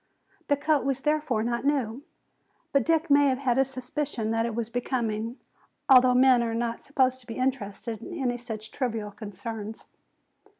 The coat was therefore not new. But Dick may have had a suspicion that it was becoming, although men are not supposed to be interested in any such trivial concerns.